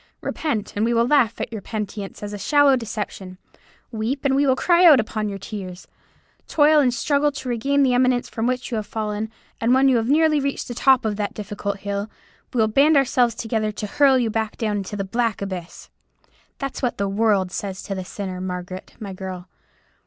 Repent, and we will laugh at your penitence as a shallow deception. Weep, and we will cry out upon your tears. Toil and struggle to regain the eminence from which you have fallen, and when you have nearly reached the top of that difficult hill, we will band ourselves together to hurl you back into the black abyss.' That's what the world says to the sinner, Margaret, my girl.